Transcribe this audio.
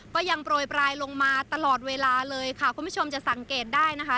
ก็ยังโปรยปลายลงมาตลอดเวลาเลยค่ะคุณผู้ชมจะสังเกตได้นะคะ